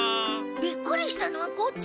びっくりしたのはこっちです。